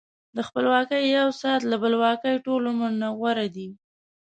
د خپلواکۍ یو ساعت له بلواکۍ ټول عمر نه غوره دی.